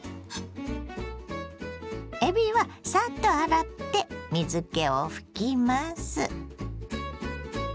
えびはサッと洗って水けを拭きます。